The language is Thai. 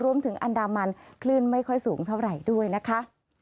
อันดามันคลื่นไม่ค่อยสูงเท่าไหร่ด้วยนะคะ